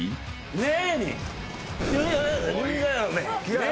ねえ。